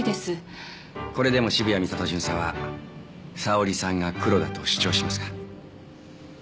これでも渋谷美里巡査は沙織さんがクロだと主張しますか？